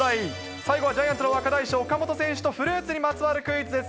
最後はジャイアンツの若大将、岡本選手とフルーツにまつわるクイズです。